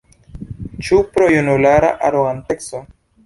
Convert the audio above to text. Ĉu pro junulara aroganteco?